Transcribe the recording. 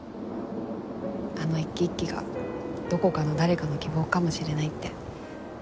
あの一機一機がどこかの誰かの希望かもしれないって。